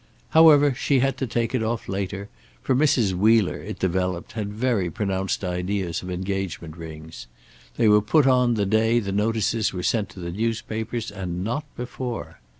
However she had to take it off later, for Mrs. Wheeler, it developed, had very pronounced ideas of engagement rings. They were put on the day the notices were sent to the newspapers, and not before.